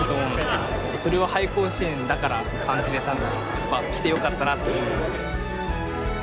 何か来てよかったなって思います。